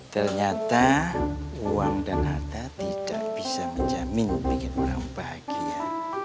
ternyata uang dan harta tidak bisa menjamin bikin orang bahagia